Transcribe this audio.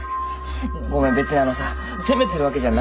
ごめん別にあのさ責めてるわけじゃないんだから。